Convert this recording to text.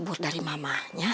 buat dari mamahnya